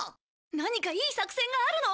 何かいい作戦があるの？